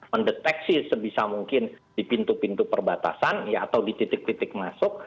mendeteksi sebisa mungkin di pintu pintu perbatasan atau di titik titik masuk